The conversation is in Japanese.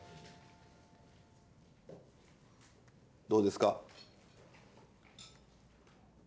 どうですか？